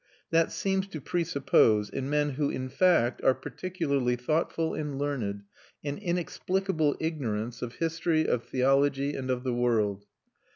That seems to presuppose, in men who in fact are particularly thoughtful and learned, an inexplicable ignorance of history, of theology, and of the world.